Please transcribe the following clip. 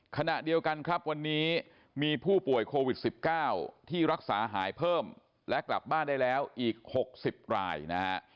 ขณะเดียวกันครับวันนี้มีผู้ป่วยโควิด๑๙ที่รักษาหายเพิ่มและกลับบ้านได้แล้วอีก๖๐รายนะฮะ